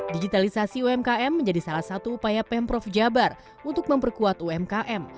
digitalisasi umkm menjadi salah satu upaya pemprov jabar untuk memperkuat umkm